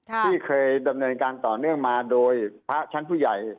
ที่เคยดำเนินการต่อเนื่องมาโดยพระชั้นผู้ใหญ่